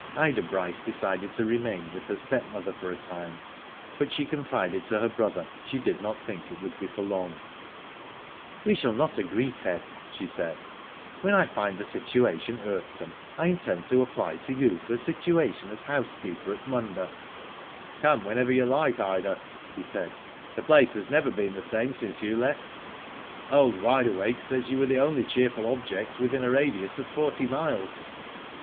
Ida Bryce decided to remain with her step mother for a time, but she confided to her brother, she did not think it would be for long, *' We shall not agree, Ted," she said. When I find the situation irksome I intend to apply to you for a Situation as housekeeper at Munda.'* "Come whenever you like, Ida," he said, *' the place has never been the same since you left. Old Wide Awake says you were the only cheerful ^object within a radius of forty miles."